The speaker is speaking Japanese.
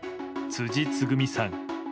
辻つぐみさん。